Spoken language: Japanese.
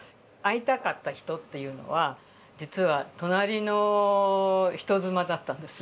逢いたかった人っていうのは実は隣の人妻だったんです。